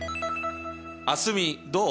蒼澄どう？